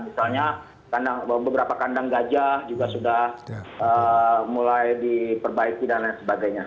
misalnya beberapa kandang gajah juga sudah mulai diperbaiki dan lain sebagainya